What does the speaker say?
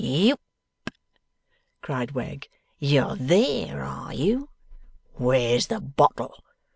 'Yoop!' cried Wegg. 'You're there, are you? Where's the bottle?